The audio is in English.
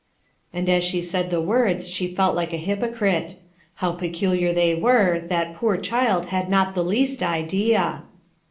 And as she said the words she felt like a hypocrite; how peculiar. they were, that poor child had not the least idea